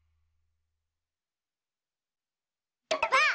ばあっ！